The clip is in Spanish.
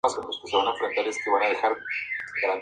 Nació en el pueblo de Tan Lo, cerca de Saigón.